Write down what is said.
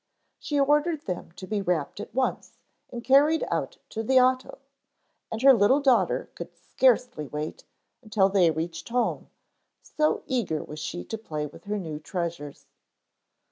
She ordered them to be wrapped at once and carried out to the auto, and her little daughter could scarcely wait until they reached home, so eager was she to play with her new treasures.